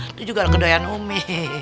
itu juga kedoyan umi